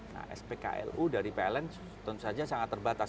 nah spklu dari pln tentu saja sangat terbatas